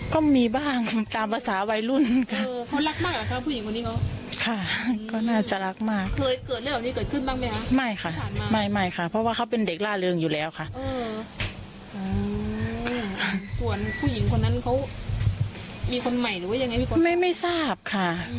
ส่วนผู้หญิงคนนั้นเขามีคนใหม่หรือว่ายังไงไม่ทราบค่ะ